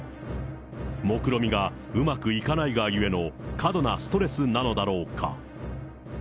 もくろみがうまくいかないがゆえの過度なストレスなのだろうか。